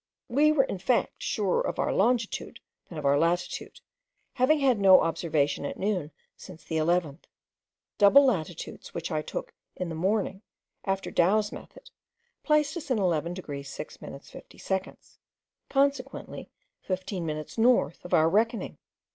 We were in fact surer of our longitude than of our latitude, having had no observation at noon since the 11th. Double altitudes which I took in the morning, after Douwes's method, placed us in 11 degrees 6 minutes 50 seconds, consequently 15 minutes north of our reckoning.